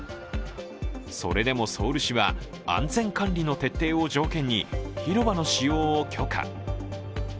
それでもソウル市は、安全管理の徹底を条件に広場の使用を許可。